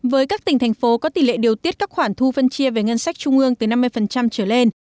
với các tỉnh thành phố có tỷ lệ điều tiết các khoản thu phân chia về ngân sách trung ương từ năm mươi trở lên